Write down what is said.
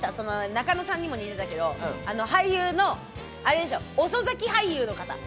中野さんにも似てたけど、俳優のアレでしょ、遅咲き俳優の方。